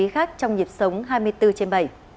khác trong dịp sống hai mươi bốn trên bảy